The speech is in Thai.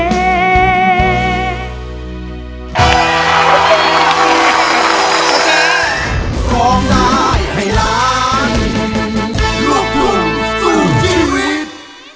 มันก็ไม่รักกัน